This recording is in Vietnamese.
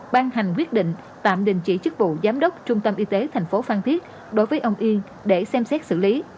ban hành quyết định tạm đình chỉ chức vụ giám đốc trung tâm y tế thành phố phan thiết đối với ông yên để xem xét xử lý